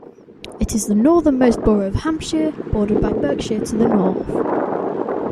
It is the northernmost borough of Hampshire, bordered by Berkshire to the north.